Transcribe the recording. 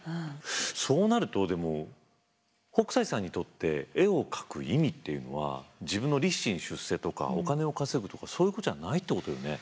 そうなるとでも北斎さんにとって絵を描く意味っていうのは自分の立身出世とかお金を稼ぐとかそういうことじゃないってことよね。